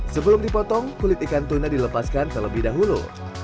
sebelum dipotong kulit ikan tuna dilepaskan terlebih dahulu